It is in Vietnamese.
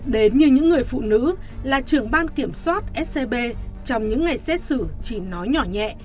đến như những người phụ nữ là trưởng ban kiểm soát scb trong những ngày xét xử chỉ nói nhỏ nhẹ